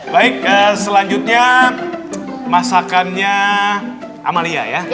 baik selanjutnya masakannya amalia ya